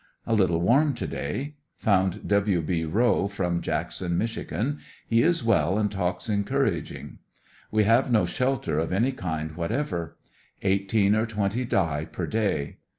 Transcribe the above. A little warm to day Found W. B Rowe. from Jackson, Mich.; he is well and talks encouraging. We have no shelter of any kind whatever. Eighteen or twenty die per day.